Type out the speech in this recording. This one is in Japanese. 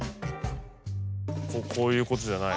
こういうことじゃないの？